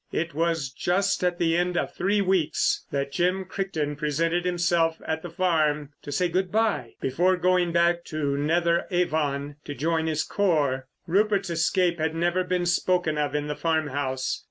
It was just at the end of three weeks that Jim Crichton presented himself at the farm to say good bye before going back to Netheravon to join his corps. Rupert's escape had never been spoken of in the farmhouse.